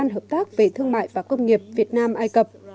hợp tác về thương mại và công nghiệp việt nam ai cập